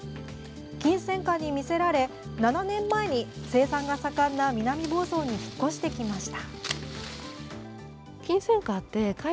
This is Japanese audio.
キンセンカに魅せられ、７年前に生産が盛んな南房総に引っ越してきました。